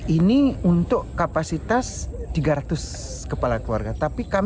ini untuk kapasitas tiga ratus kepala keluarga